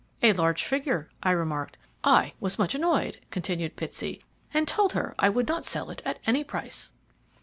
"A large figure," I remarked. "I was much annoyed," continued Pitsey, "and told her I would not sell it at any price."